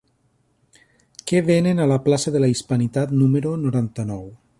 Què venen a la plaça de la Hispanitat número noranta-nou?